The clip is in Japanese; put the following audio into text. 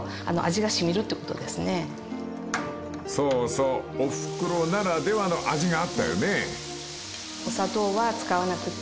そうおふくろならではの味があったよね］